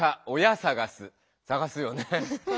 さがしますよね。